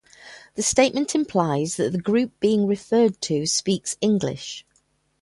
The statement implies that the group being referred to speaks English.